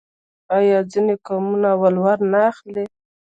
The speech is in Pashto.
آیا ځینې قومونه ولور نه اخلي؟